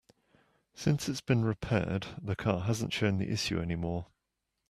Since it's been repaired, the car hasn't shown the issue any more.